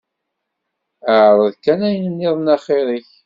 Ԑreḍ kan ayen nniḍen axir-ik.